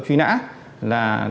truy nã là